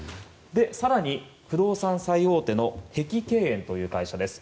更に、不動産最大手の碧桂園という会社です。